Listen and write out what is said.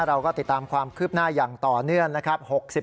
เราก็ติดตามความคืบหน้าอย่างต่อเนื่องนะครับ